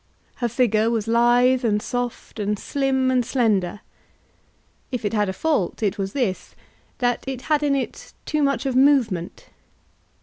Her figure was lithe, and soft, and slim, and slender. If it had a fault it was this, that it had in it too much of movement.